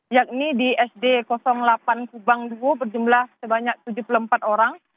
yakni di sd delapan kubang dua berjumlah sebanyak tujuh puluh empat orang